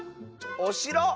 おしろ⁉